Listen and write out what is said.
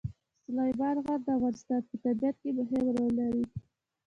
سلیمان غر د افغانستان په طبیعت کې مهم رول لري.